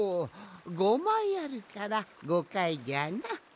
５まいあるから５かいじゃな。